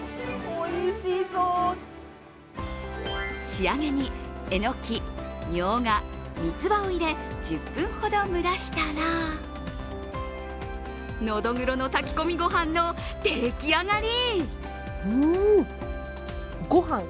仕上げにえのき、みょうが、三つ葉を入れ、１０分ほど蒸らしたらのどぐろの炊き込みご飯の出来上がり。